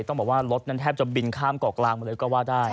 ต้องบอกว่ารถนั้นแทบจะบินข้ามเกาะกลางมาเลยก็ว่าได้